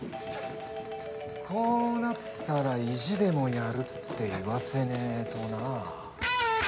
こうなったら意地でもやるって言わせねえとなあ。